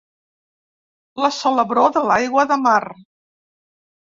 La salabror de l'aigua de mar.